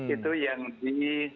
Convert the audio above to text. itu yang di